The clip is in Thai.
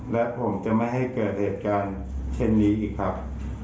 และผมจะไม่ให้เกิดเหตุการณ์เช่นนี้อีกครับ